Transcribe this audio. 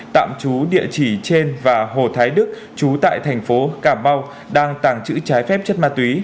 tạm trú địa chỉ trên và hồ thái đức chú tại thành phố cà mau đang tàng trữ trái phép chất ma túy